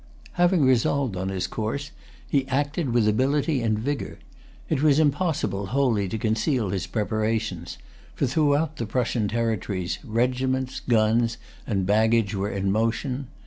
Having resolved on his course, he acted with ability and vigor. It was impossible wholly to conceal his preparations; for throughout the Prussian territories regiments, guns, and baggage were in motion.